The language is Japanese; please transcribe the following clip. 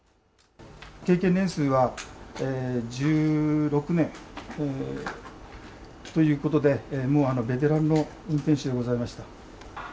経験年数は１６年ということで、もうベテランの運転手でございました。